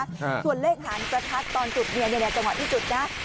ส่วนเลขหางประทัดตอนจุดเนี่ยเนี้ยจังหวะที่จุดนะ